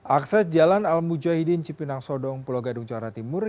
akses jalan al mujahidin cipinang sodong pulau gadung jawa timur